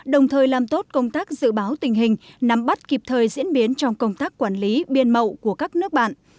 đồng thời làm tốt công tác dự báo tình hình nắm bắt kịp thời diễn biến trong công tác quản lý biên mậu của các nước bạn